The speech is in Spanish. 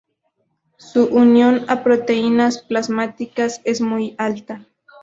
Su unión a proteínas plasmáticas es muy alta.